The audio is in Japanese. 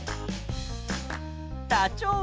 ダチョウ。